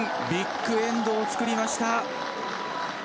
ビッグエンドを作りました。